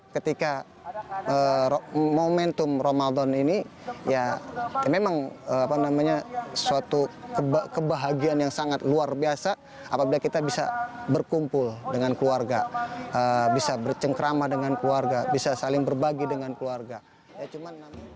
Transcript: ketika momentum ramadan ini ya memang suatu kebahagiaan yang sangat luar biasa apabila kita bisa berkumpul dengan keluarga bisa bercengkrama dengan keluarga bisa saling berbagi dengan keluarga